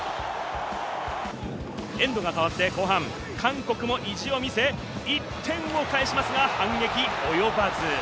エンドが変わって後半、韓国も意地を見せ、１点を返しますが、反撃及ばず。